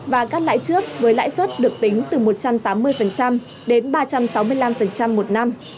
và cắt lãi trước với lãi suất được tính từ một trăm tám mươi đến ba trăm sáu mươi năm một năm